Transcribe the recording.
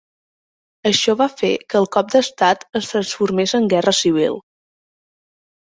Això va fer que el cop d'estat es transformés en guerra civil.